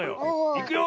いくよ。